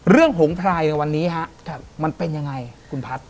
หงพลายในวันนี้ฮะมันเป็นยังไงคุณพัฒน์